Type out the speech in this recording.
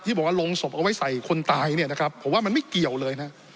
บอกว่าลงศพเอาไว้ใส่คนตายเนี่ยนะครับผมว่ามันไม่เกี่ยวเลยนะ